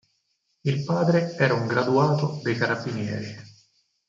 Il padre era un graduato dei carabinieri.